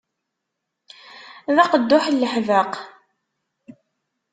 D aqedduḥ n leḥbeq.